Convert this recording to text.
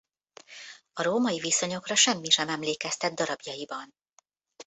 A római viszonyokra semmi sem emlékeztet darabjaiban.